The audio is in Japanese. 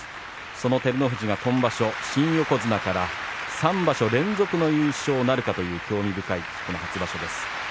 その照ノ富士は新横綱から３場所連続の優勝なるかという興味深い初場所です。